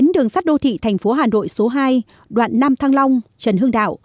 đường sắt đô thị thành phố hà nội số hai đoạn năm thăng long trần hưng đạo